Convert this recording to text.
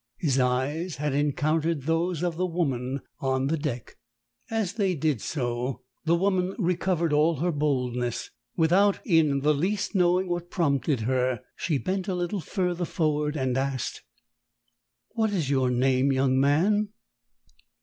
His eyes had encountered those of the woman on deck. As they did so, the woman recovered all her boldness. Without in the least knowing what prompted her, she bent a little further forward and asked "What is your name, young man?"